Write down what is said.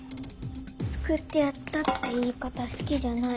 「救ってやった」って言い方好きじゃない。